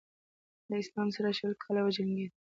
له اسلام سره شل کاله وجنګېد.